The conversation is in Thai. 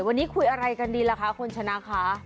วันนี้คุยอะไรกันดีล่ะคะคุณชนะคะ